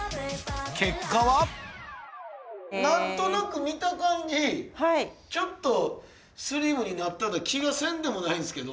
結果は何となく見た感じちょっとスリムになったような気がせんでもないんですけど。